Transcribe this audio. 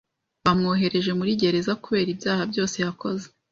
Bamwohereje muri gereza kubera ibyaha byose yakoze.